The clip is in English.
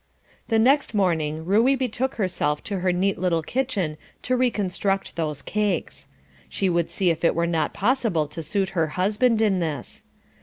The next morning Ruey betook herself to her neat little kitchen to reconstruct those cakes. She would see if it were not possible to suit her husband in this.